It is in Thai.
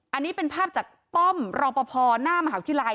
อันนี้เป็นภาพจากป้อมรอปภหน้ามหาวิทยาลัย